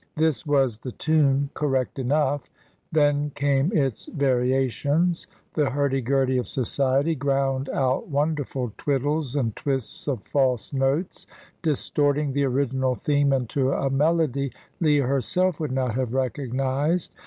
This was the tune, correct enough; then came its variations. The hurdy gurdy of society ground out wonderful twiddles and twists of false notes, distorting the original theme into a melody Leah herself would not have recognised.